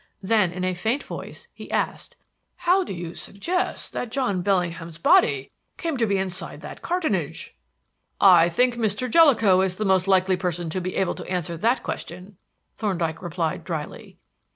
Then, in a faint voice, he asked: "How do you suggest that John Bellingham's body came to be inside that cartonnage?" "I think Mr. Jellicoe is the most likely person to be able to answer that question," Thorndyke replied dryly.